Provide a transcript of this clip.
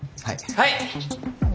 はい。